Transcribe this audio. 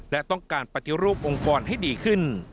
และต้องการปฏิรูปองค์กรให้ดีขึ้น